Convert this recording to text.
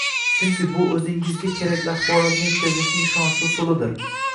chunki bu o‘zingizga kerakli axborotni yetkazishning ishonchli usulidir.